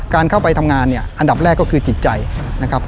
การเข้าไปทำงานเนี่ยอันดับแรกก็คือจิตใจนะครับ